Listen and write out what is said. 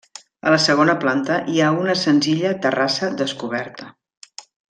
A la segona planta hi ha una senzilla terrassa descoberta.